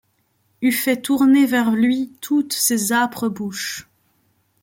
Eût fait tourner vers lui toutes ces âpres bouches.